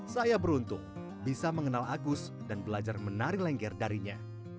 saya beruntung bisa mengenal agus dan belajar menari lengger darinya